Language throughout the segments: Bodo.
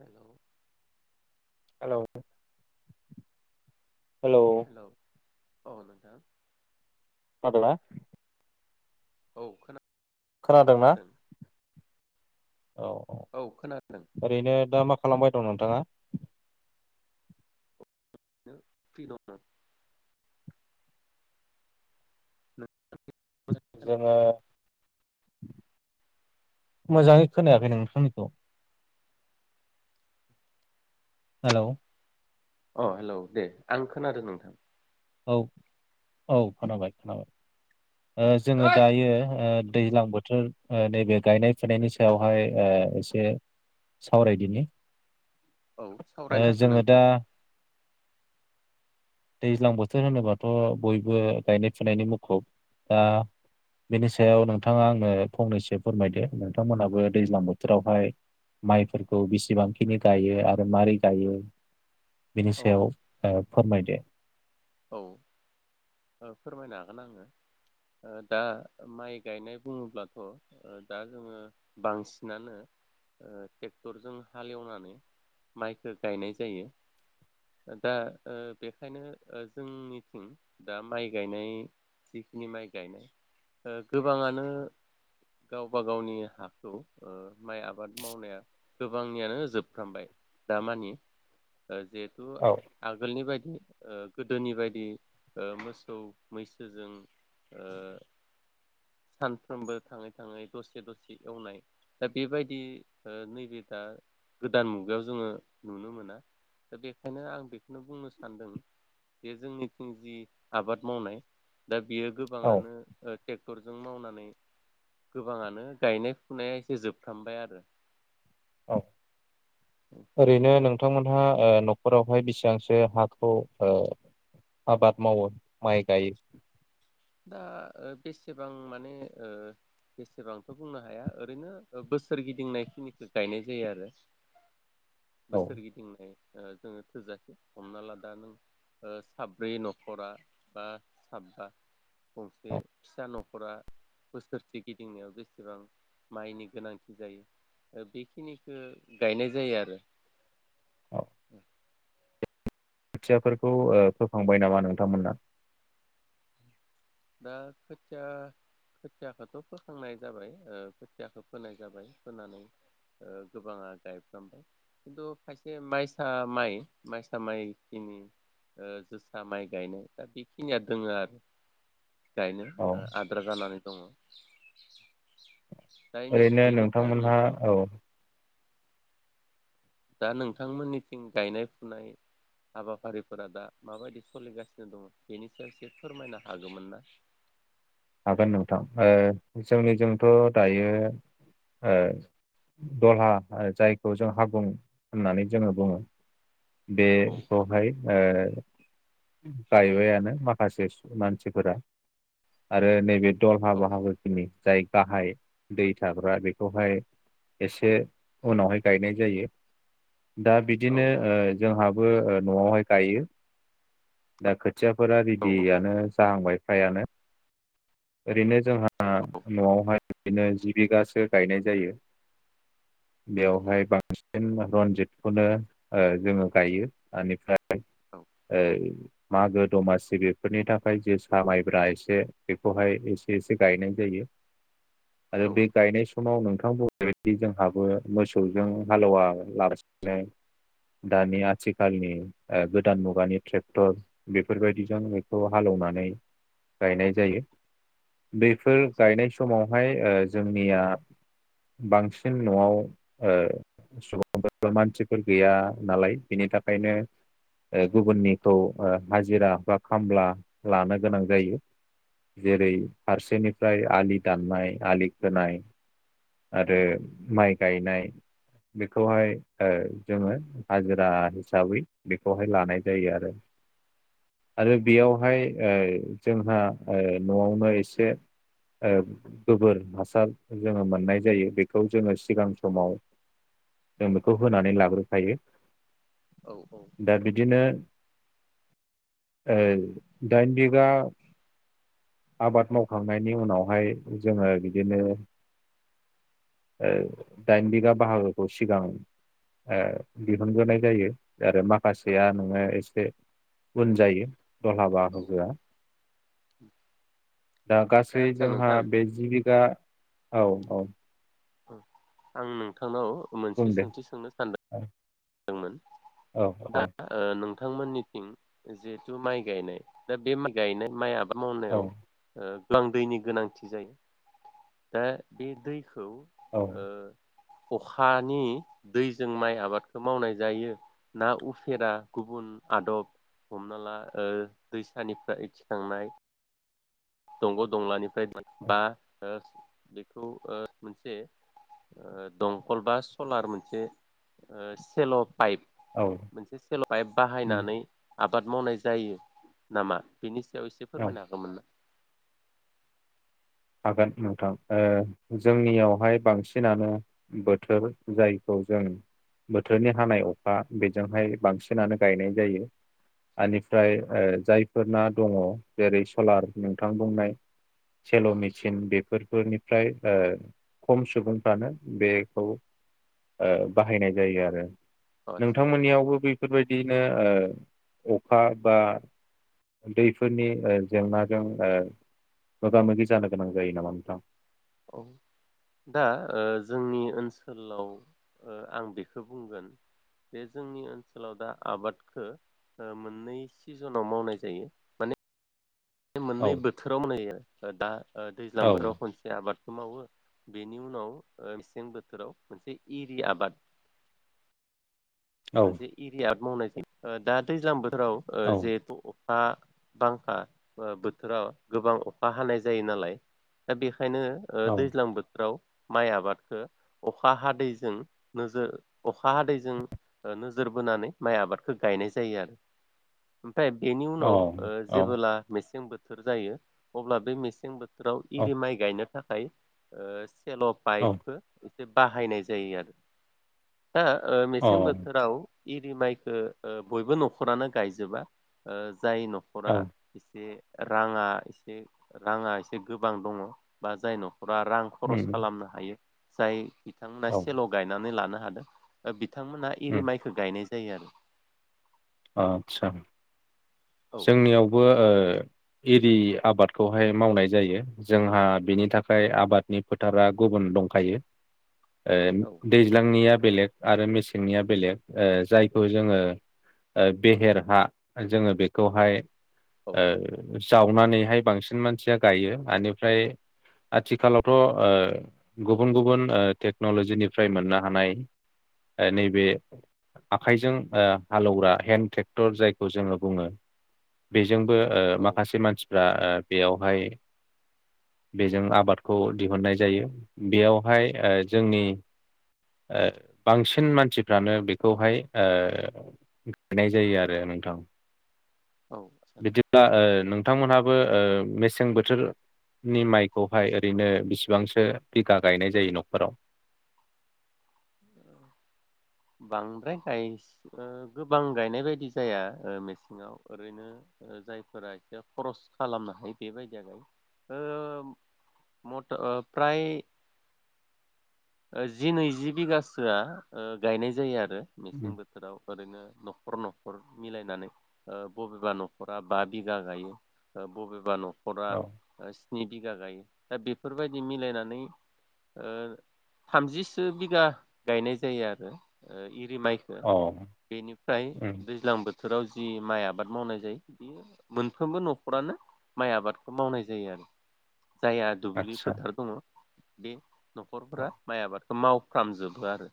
हेलौ हेलौ हेलौ औ नोंथां खोनादोंना औ खोना खोनादोंना औ औ ओरैनो दा मा खा खालामबाय दं नोंथाङा [unintelligible] जोङो मोजाङै खोनायाखै नोंथांनिखौ हेलौ अ हेलौ दे आं खोनादों नोंथां औ औ खोनाबाय खोनाबाय ओ जोङो औ दायो ओ दैज्लां बोथोर ओ नैबे गायनाय फुनायनि सायावहाय ओ एसे सावरायदिनि औ ओ सावरायनो हागोन जोङो दा नोंथां दैज्लां बोथोर होनोबाथ' बयबो गायनाय फुनायनि मुखुब दा बेनि सायाव नोंथाङा आंनो फंनैसो फोरमायदो नोंथांमोनहाबो दैज्लां बोथोरावहाय माइफोरखौ बिसेबांखिनि गायो आरो मारै गायो। बेनि औ सायाव ओ फोरमायदो औ फोरमायनो हागोन आङो ओ दा माइ गायनाय बुङोब्लाथ' दा जोङो बांसिनानो ओ ट्रेक्टरजों हालेवनानै माइखो गायनाय जायो दा ओ बेखायनो ओ जोंनिथिं दा माइ गायनाय जिखिनि माइ गायनाय ओ गोबाङानो गावबा गावनि हाखौ ओ माइ आबाद मावनाया गोबांनियानो जोबफ्रामबाय दामानि ओ जे थु औ आगोलनि बाय [inaudible] ओ गोदोनि बायदि ओ मोसौ मैसोजों ओ सानफ्रोमबो थाङै थाङै दसे दसे एवनाय दा बेबायदि ओ नैबे दा गोदान मुगायाव जोङो नुनो मोना दा बेखायनो आं बेखौनो बुंनो सानदों जे जोंनिथिं जि आबाद मावनाय दा बियो औ गोबाङानोे ओ टे जों मावनानै गोबाङानो गायनाय फुनाया एसे जोबफ्रामबाय आरो औ ओरैनो नों थांमोनहा ओ न'खरावहाय बेसिबांसो हाखौ ओ आबाद मावो माइ गायो दा ओ बेसेबां माने ओ बेसेबांथ' बुंनो हाया ओरैनो बोसोर गिदिंनाय खिनिखौ गायनाय जायो आरो औ बोसोर गिदिंनाय ओ जोङो थोजासे हमना ला दा नों ओ साब्रै न'खरा बा साबा गंसे औ फिसा न'खरा बोसोरसे गिदिंनायाव बेसेबां माइनि गोनांथि जायो ओ बेखिनिखौ गायनाय जायो आरो [inaudible] औ खोथियाफोरखौ ओ फोखांबाय नामा नोंथांमोना? दा खोथिया खोथियाखौथ' फोखांनाय जाबाय खोथियाखौ फोनाय जाबाय फोनानै गोबाङा गायफ्रामबाय खिन्थु खायसे माइसा माइ माइसा माइखिनि जोसा माइ गायनाय दा बेखिनिया दङो आरो गायनो औ आद्रा जानानै दङ दायनि ओरैनो बेनिफ्राय आं नोंथांमोनहा नोंथां औ दा नोंथांमोननिथिं गायनाय फुनाय हाबाफारिफोरा दा माबायदि सोलिगासिनो दङ बेनि सायाव एसे फोरमायनो हागौमोन ना? हागोन नोंथां ओ जोंनिजोंथ' दायो दहा जायखौ जों हागुं होननानै जोङो बुङो औ बेखौहाय गायबायानो माखासे मानसिफोरा आरो नैबे दलहा औ बाहागो खिनि जाय गाहाय दै थाग्रा बेखौहाय एसे उनावहाय गायनाय जायो दा औ बिदिनो ओ जोंहा बो ओ न'आवहाय गायो दा खोथियाफोरा औ रेडियानो जाहांबाय फ्रायानो ओरैनो जोंहा औ न'आवहाय बिदिनो जि बिगासो गायनाय जायो औ बेवहाय बांसिन रनजितखौनो ओ जोङो गायो बेनिफ्राय [unintelligible] ओ मागो दमासि बेफोरनि थाखाय जे सामायब्रा एसे बेखौहाय एसे एसे गायनाय जायो आरो औ बे गायनाय समाव नों गो बेबायदि जोंहाबो मोसौजों हालौवा लासिनो दानि आथिखालनि गोदान मुगानि ट्रेक्टर बेफोरबायदिजों बेखौ हालेवनानै गायनाय जायो। बेफोर आदसा गायनाय समावहाय ओ जोंनिया बांसिन न'आव सुबुंफोर मानसिफोर गैया नालाय बिनि थाखायनो गुबुननिखौ हाजिरा बा खामला लानो गोनां जायो। जेरै फारसेनिफ्राय आलि दाननाय आलि खोनाय आरो माइ गायनाय बेखौहाय जोङो हाजिरा हिसाबै बेखौहाय लानाय जायो आरो। आरो बेयावहाय जोंहा ओ न'आवनो एसे ओ गोबोर हासार जोङो मोननाय जायो। बेखौ जोङो सिगां समाव जों बेखौ होनानै लाग्रोखायो। औ औ दा बिदिनो ओ दाइनबिगा आबाद मावखांनायनि उनावहाय जोङो बिदिनो ओ दाइन बिगा बाहागोखौ सिगां ओ दिहुनग्रोनाय जायो। आरो औ माखासेया नोङो एसे उन जायो। दलहा औ बाहागोआ दा ओमफ्राय गासै आदसा जोंहा नोंथां बे जि बिघा औ औ आं नोंथांनाव बुं मोनसे दे सोंथि सोंनो सानदों? औ औ औ दा ओ नों नोंथांमोननिथिं जिहेथु माइ गायनाय दा बे गायनाय माइ आ माबा औ मावनायाव गोबां दैनि गोनांथि जायो दा बे दै खौ औ ओ अ'खानि दैजों माइ आबादखौ मावनाय जायो। ना उफेरा गुबुन आदब हमना ला दैसानिफ एखिखांनाय दंग' दंलानिफ्राय [unintelligible] बा ओह बेखौ ओ मोनसे दंखल बा सलार मोनसे सेलब पाइप औ मोनसे सेल' पाइप बाहायनानै आबाद मावनाय जायो नामा? बेनि बेयाव एसे औ फोरमायनो हागौमोन ना? हागोन नोंथां। जोंनियावहाय बांसिनानो बोथोर जायखौ जों बोथोरनि हानाय अखा बेजोंहाय बांसिनानो गायनाय जायो। बेनिफ्राय जायफोरना दङ जेरै सलार नोंथां बुंनाय सेल' मि सिन बेफोरफोरनिफ्राय ओ खम सुबुंफ्रानो बेखौ ओ बाहायनाय जायो आरो। अ आदसा नोंथांमोननियावबो बे बेफोरबायदियैनो अखा बा दैफोरनि जेंनाजों मोगा मोगि जानो जायो नामा नोंथां? औ दा ओ जोंनि ओनसोलाव ओ आं बेखौ बुंगोन जे जोंनि ओनसोलाव दा आबादखो मोननै सिजिनाव मावनाय जायो माने बे औ मोननै बोथोराव माने स दा ओ दैज्लां औ बोथोराव खनसे आबाद मावो बेनि उनाव मेसें बोथोराव मोनसे इरि आबाद औ मोनसे एरिया मावनायै दा दैज्लां बो राव औ जिहेतु खा बांखा बोथोराव गोबां अखा हानाय जायो नालाय दा बे ओंखायनो ओ औ दैज्लां बोथोराव माइ आबादखौ अखा हादैजों नोजोर अखा हादैजों ओ नोजोर बोनानै माइ आबादखौ गायनाय जायो आरो। नाथाय बेनि औ उनाव ओ औ जेबोला मेसें बोथोर बोथोर जायो अब्ला बे मेसें बोथोर राव इरि माइ गायनो थाखाय ओ सेल' औ पाइपहो बाहायनाय जायो आरो। आ औ मेसिं बो इरि माइखौ बयबो न'खरानो गायजोबा जाय न'खरा औ राङा एसे राङा एसे गोबां दङ बा जायनाव फुरा रां खरस उम खालामनो हायो। सायो बिथांमोना औ सेल' गायनानै लानो हायो। बिथांमोन हा इरि उम माइखौ गायनाय जायो आरो आतसा औ जोंनियावबो ओ एरि आबादखौहाय मावनाय जायो जोंहा बिनि थाखाय आबादनि फोथारा गुबुन दंखायो। ओ औ दैज्लांनिया बेले आरो मेसेंनिया बेले ओ जायखौ जोङो बेहेर हा जों बे खौहाय औ ओ जावनानैहाय बांसिन मानसिया गायो बेनिफ्राय आथिखालावथ' गुबुन गुबुन टेक्न'लजिनिफ्राय मोननो हानाय नैबे आखाइजों हालौवग्रा हेन्दड ट्रेक्टर जायखौ जोङो बुङो। बे जोंबो ओ औ माखासे मानसिफ्रा ओ बेयावहाय बेजों आबादखौ दिहुननाय जायो बेयावहाय ओ जोंनि ओ बांसिन मानसिफ्रानो बेखौहाय ओ गायनाय जायो आरो नोंथां। औ बिदिब्ला ओ नोंथांमोनहा बो मेसें बोथोरनि माइखौहाय ओरैनो बिसेबांसो बिगा गायनाय जायो न'खराव। बांद्राय गाय गोबां गायनाय बायदि जाया मेसेङाव ओरैनो जायफोरा एसे खरस खालामनो हायो। बेबायदिया गायो म फ्राय जि नैजि बिगासोआ ओ गायनाय जायो आरो आरो मेसें उम बोथोराव ओरैनो न'खर न'खर मिलायनानै ओ बबेबा न'खरा बा बिगा गायो बबेबा न'खर रा औ ओ स्नि बिगा गायो दा बेफोरबायदि मिलायनानै ओ थामजिसो बिगा गायनाय जायो आरो। ओ ओ इरि माइखौ औ बेनिफ्राय उम दैज्लां बोथोराव जि माइया आबाद मावनाय जायो बियो मोनफ्रोमबो न'खरानो माइ आबादखौ मावनाय जायो आरो जायहा दुब्लि आदसा फोथार दङ। बि न'खरफोरा माइ आबाद मावफ्रामजोबो आरो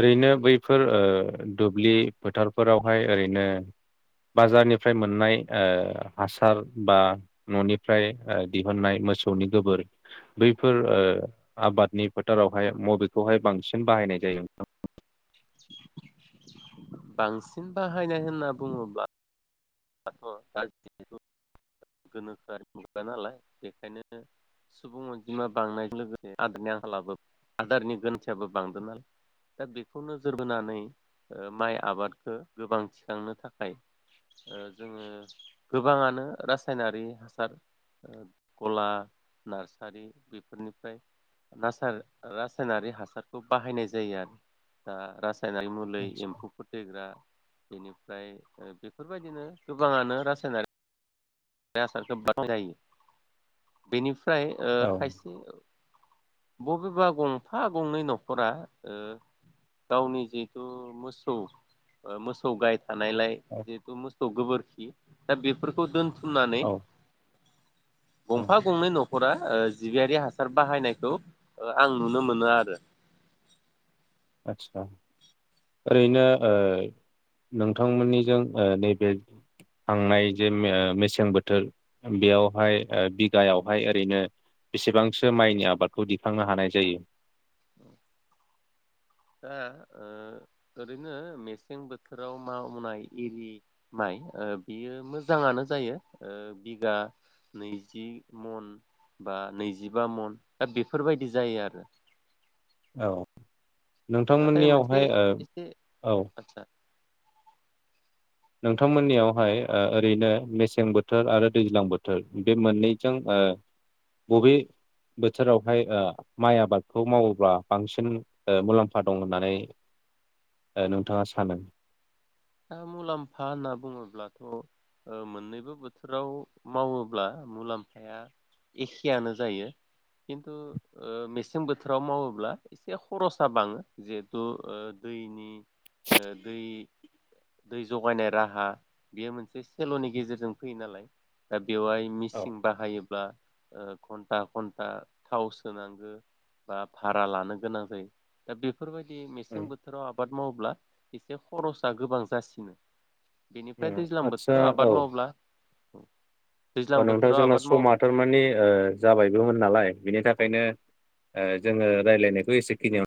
ओरैनो बैफोर ओ दुब्लि फोथारफोरावहाय ओरैनो बाजारनिफ्राय मोननाय ओ हासार बा न'निफ्राय ओ दिहुननाय मोसौनि गोबोर बैफोर ओ आबादनि फोथारावहाय बबेखौहाय बांसिन बाहायनाय जायो? बांसिन बाहायनाय होनना बुङोब्ला दाथ' दा गोनोखोआरि मुगा नालाय बेखायनो सुबुं अनजिमा बांनाय जों लोगोसे आदारनि आंखालाबो आदारनि गोनां थियाबो बांदों नालाय दा बेखौ नोजोर बोनानै ओ माइ आबादखौ गोबां थिखांनो थाखाय ओ जोङो गोबाङानो रासायनारि हासार गला नार्सारि बेफोरनिफ्राय नासार ओ‌ रासायनारि हासारखौ बाहायनाय जायो आरो दा रा सायनारि मुलौ आदसा एम्फौफोर थैग्रा बेनि ओमफ्राय ओ बेफ बफोरबायदिनो गोबाङानो रासायनारि बे हासारखौ बाहायो बेनि फ्राय ओ औ खायसे बबेबा गंफा गंनै न'खरा ओ गावनि जिहेथु मोसौ ओ मोसौ गाय थानायलाय औ जिहेथु मोसौ गोबोरखि दा बेफोरखौ दोन थुमनानै औ उम गंफा गंनै न'खर न'खरा ओ जिबियारि हासार बाहायनायखौ ओ आं नुनो मोनो आरो। आतसा ओरैनो ओ नोंथांमोननिजों ओ नैबे थांनाय जे मेसें बोथोर बेयावहाय ओ बिगायावहाय ओरैनो बेसेबांसो माइनि आबादखौ दिखांनो हानाय जायो? आ ओ ओरैनो मेसें बोथोराव मावनाय एजि माइ ओ बियो मोजाङानो जायो ओ बिगा नैजि मन बा नैजिबा मन दा बेफोरबायदि जायो आरो औ नोंथां नाथाय मोनसे मोननियावहाय ओ एसे औ आदसा नोंथां मोननियावहाय ओ ओरैनो मेसें बोथोर आरो दैज्लां बोथोर बे मोननैजों ओ बबे बोथोरावहाय ओ माइ आबादखौ मावोब्ला बांसिन ओ मुलाम्फा दं होननानै ओ नोंथाङा सानो दा मुलाम्फा होनना बुङोब्लाथ' ओ मोननैबो बोथोराव मावोब्ला मुलाम्फाया एखेयानो जायो खिन्थु ओ मेसें बोथोराव मावोब्ला एसे खरसा बाङो जिहेथु दैनि ओ दै दै जगायनाय राहा बेयो मोनसे सेलनि गेजेरजों फैयो नालाय दा बेवहाय औ मिसिं बाहायो बा‌ ओ घन्टा घन्टा थाव सोनांगो बा भारा लानो गोनां जायो। दा बे बेफोरबायदि मेसें उम बोथोराव आबाद मावोब्ला एसे खरस आ गोबां जासिनो। बेनिफ्राय उम दैज्लां बोथोराव आबाद मावब्ला औ ओ नोंथां जोंना समा थारमाने ओ जाबायबोमोन नालाय बिनि थाखायनो ओ जोङो रायजलायनायखौ एसे खिनिययाव